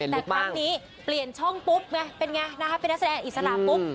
แต่ครั้งนี้เปลี่ยนช่องปุ๊บไงเป็นไงนะคะเป็นนักแสดงอิสระปุ๊บ